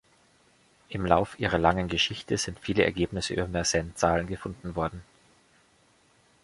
Im Lauf ihrer langen Geschichte sind viele Ergebnisse über Mersenne-Zahlen gefunden worden.